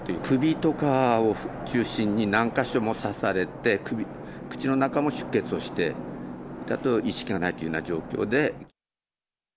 首とかを中心に、何か所も刺されて、口の中も出血をして、あと意識がないというような状況で。